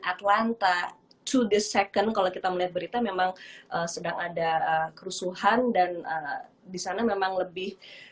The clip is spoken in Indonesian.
atlanta two the second kalau kita melihat berita memang sedang ada kerusuhan dan di sana memang lebih